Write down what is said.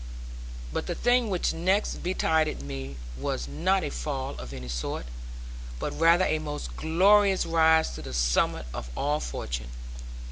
But the thing which next betided me was not a fall of any sort; but rather a most glorious rise to the summit of all fortune.